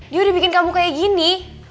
dia udah bikin kamu kayak gini